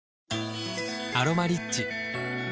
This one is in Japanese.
「アロマリッチ」